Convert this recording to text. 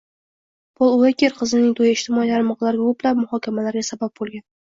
Pol Uoker qizining to‘yi ijtimoiy tarmoqlarda ko‘plab muhokamalarga sabab bo‘lgan